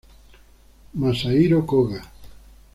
Masahiro Koga